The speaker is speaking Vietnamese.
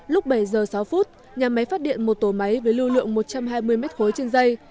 lúc bảy giờ sáu phút nhà máy phát điện một tổ máy với lưu lượng một trăm hai mươi m ba trên dây